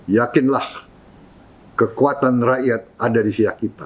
yakinlah kekuatan rakyat ada di siak kita